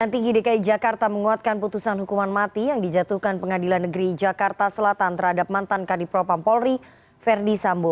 tinggi dki jakarta menguatkan putusan hukuman mati yang dijatuhkan pengadilan negeri jakarta selatan terhadap mantan kadipropam polri verdi sambo